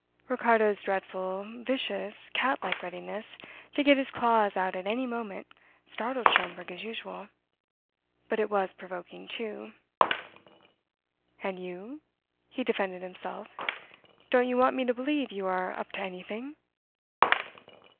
Ricardo's dreadful, vicious, cat like readiness to get his claws out at any moment startled Schomberg as usual. But it was provoking too. "And you?" he defended himself. "Don't you want me to believe you are up to anything?"